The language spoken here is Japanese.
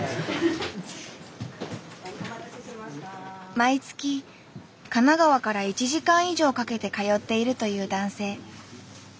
毎月神奈川から１時間以上かけて通っているという男性。